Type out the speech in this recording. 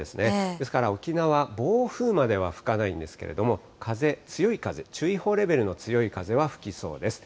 ですから沖縄、暴風までは吹かないんですけれども、風、強い風、注意報レベルの強い風は吹きそうです。